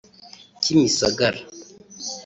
Kimisagara